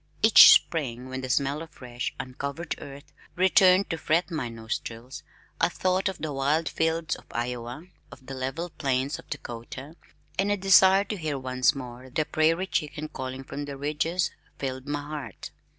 Each spring when the smell of fresh, uncovered earth returned to fret my nostrils I thought of the wide fields of Iowa, of the level plains of Dakota, and a desire to hear once more the prairie chicken calling from the ridges filled my heart.